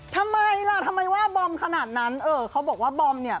ทำไมล่ะทำไมว่าบอมขนาดนั้นเออเขาบอกว่าบอมเนี่ย